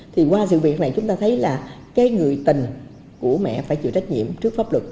thì qua sự việc này chúng ta thấy là cái người tình của mẹ phải chịu trách nhiệm trước pháp luật